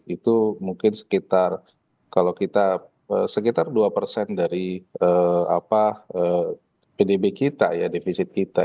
itu mungkin sekitar kalau kita sekitar dua persen dari pdb kita ya defisit kita